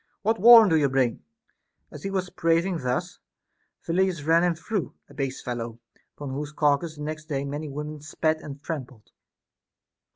What warrant do you bring] As he was prating thus, Phyllidas ran him through, — a base fellow, upon whose carcass the next day many women spat and trampled.